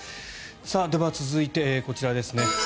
では、続いてこちらですね。